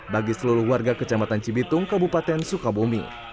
bagi seluruh warga kecamatan cibitung kabupaten sukabumi